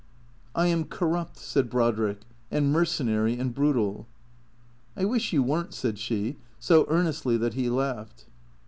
" I am corrupt," said Brodrick, " and mercenary and brutal." " I wish you were n't," said she, so earnestly that he laughed.